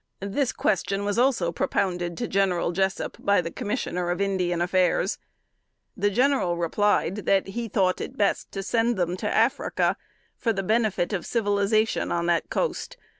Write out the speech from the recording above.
This question was also propounded to General Jessup by the Commissioner of Indian Affairs. The General replied, that he thought it best to send them to Africa, for the benefit of civilization on that coast.